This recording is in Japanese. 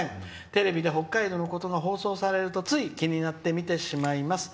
テレビで北海道のことが放送されるとつい気になってみてしまいます。